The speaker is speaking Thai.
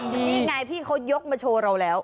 นี่ไงพี่เขายกมาโชว์เราแล้ว